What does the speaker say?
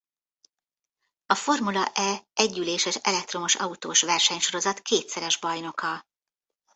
A Formula–E együléses elektromos autós versenysorozat kétszeres bajnoka.